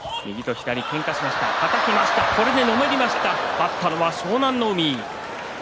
勝ったのは湘南乃海。